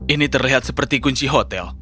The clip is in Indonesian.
ini terlihat seperti kunci hotel